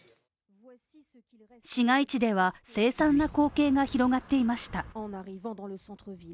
市街地では凄惨な光景が広がっていました。